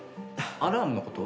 アラームのこと？